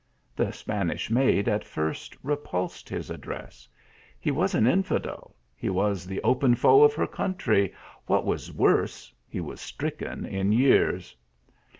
The Spanish maid at first repulsed his addresses. He was an infidel he was the open foe of her country what was worse, he was stricken in years